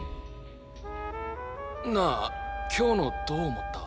なあ今日のどう思った？